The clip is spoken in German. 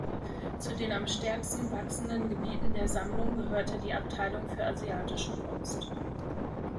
Zu den am stärksten wachsenden Gebieten der Sammlung gehörte die Abteilung für asiatische Kunst.